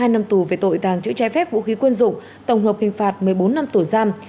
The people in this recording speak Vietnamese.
hai năm tù về tội tàng trữ trái phép vũ khí quân dụng tổng hợp hình phạt một mươi bốn năm tù giam